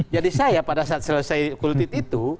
jadi saya pada saat selesai kultuit itu